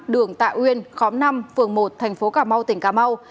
đường tạ uyên khóm năm phường một thành phố cà mau tỉnh cà mau